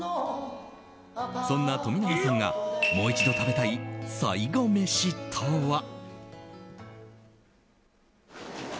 そんな冨永さんがもう一度食べたい最後メシとは。